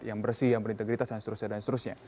yang bersih yang berintegritas dan seterusnya